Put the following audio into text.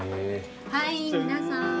はい皆さん。